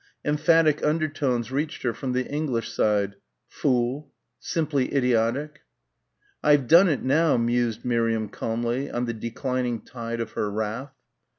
Emphatic undertones reached her from the English side. "Fool" ... "simply idiotic." "I've done it now," mused Miriam calmly, on the declining tide of her wrath.